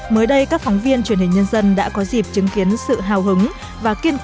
mới đây các phóng viên truyền hình nhân dân đã có dịp chứng kiến sự hào hứng và kiên quyết